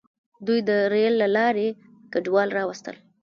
دوی د ریل له لارې کډوال راوستل.